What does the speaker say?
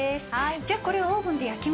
じゃあこれオーブンで焼きましょう。